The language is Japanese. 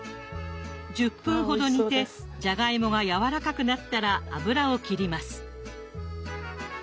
１０分ほど煮てじゃがいもがやわらかくなったら油を切ります。